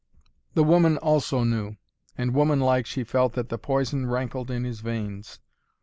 The woman also knew, and woman like she felt that the poison rankled in his veins.